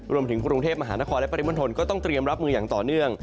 รวมถึงกรุงเทพมหานครและปริมณฑลก็ต้องเตรียมรับมืออย่างต่อเนื่อง